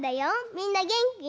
みんなげんき？